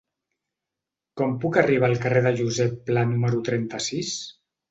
Com puc arribar al carrer de Josep Pla número trenta-sis?